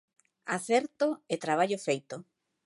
Acerto e traballo feito.